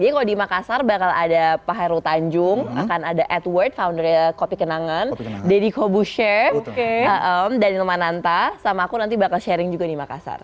jadi kalau di makassar bakal ada pak heru tanjung akan ada edward foundernya kopi kenangan deddy kobushe dany lemananta sama aku nanti bakal sharing juga di makassar